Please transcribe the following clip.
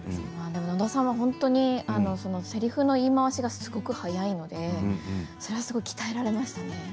野田さんは本当にせりふの言い回しがすごく速いのでそれはすごく鍛えられましたね。